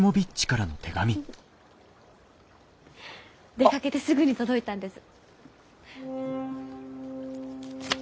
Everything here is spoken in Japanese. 出かけてすぐに届いたんです。